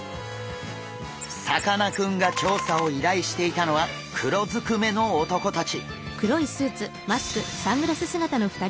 さかなクンが調査をいらいしていたのは黒ずくめの男たち。